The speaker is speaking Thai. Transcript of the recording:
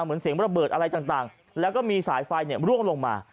เหมือนเสียงระเบิดอะไรต่างแล้วก็มีสายไฟร่วงลงมา